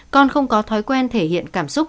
con không có thói quen thể hiện cảm xúc